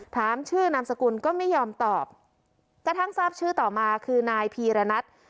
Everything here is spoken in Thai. ถามชื่อนามสกุลก็ไม่ยอมตอบกระทั่งทราบชื่อต่อมาคือนายพีรณัท